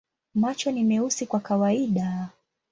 Macho ni meusi kwa kawaida.